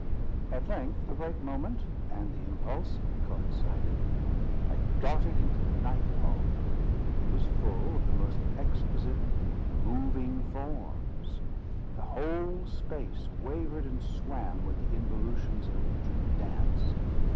At length the right moment and the impulse coincided. I darted into the ninth hall. It was full of the most exquisite moving forms. The whole space wavered and swam with the involutions of an intricate dance.